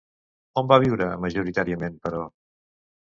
On va viure majoritàriament, però?